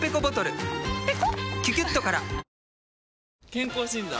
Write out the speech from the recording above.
健康診断？